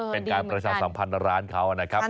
เป็นการประชาสัมพันธ์ร้านเขานะครับ